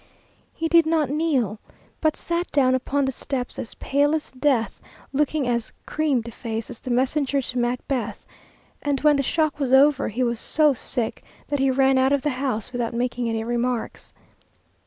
He did not kneel, but sat down upon the steps as pale as death, looking as "creamed faced" as the messenger to Macbeth; and when the shock was over, he was so sick, that he ran out of the house without making any remarks.